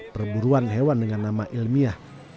perburuan hewan dengan nama ilmiah